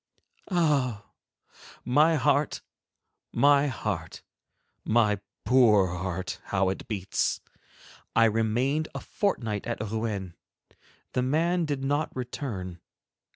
Ah! My heart, my heart, my poor heart, how it beats! I remained a fortnight at Rouen. The man did not return.